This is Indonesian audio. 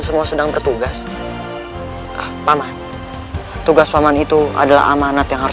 semua sedang bertugas ah paman tugas paman itu adalah amanat yang harus